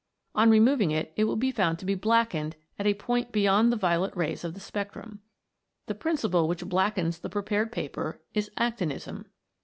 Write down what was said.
On removing it it will be found to be blackened at a point beyond the violet rays of the spectrum. The principle which black ens the prepared paper is actinism.